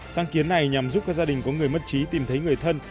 sáng kiến này nhằm giúp các gia đình có người mất trí tìm thấy người thân